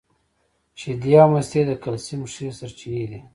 شیدې او مستې د کلسیم ښې سرچینې دي